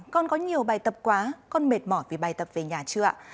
con có nhiều bài tập quá con mệt mỏi vì bài tập về nhà chưa ạ